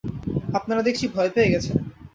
আপনারা দেখছি ভয় পেয়ে গেছেন!